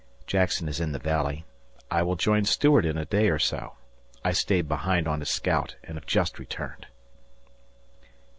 ... Jackson is in the Valley. I will join Stuart in a day or so. I stayed behind on a scout and have just returned.